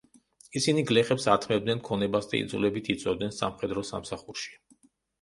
ისინი გლეხებს ართმევდნენ ქონებას და იძულებით იწვევდნენ სამხედრო სამსახურში.